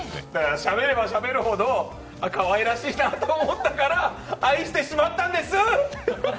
しゃべればしゃべるほどかわいらしい人だなって思ったから愛してしまったんですっ！